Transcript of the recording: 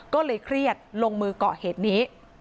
ก็เลยเครียดลงมือก่อเหตุนี้